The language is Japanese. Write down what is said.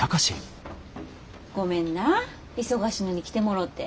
ごめんな忙しいのに来てもろて。